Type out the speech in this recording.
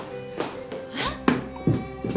えっ